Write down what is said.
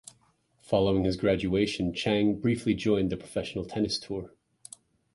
Following his graduation, Chang briefly joined the professional tennis tour.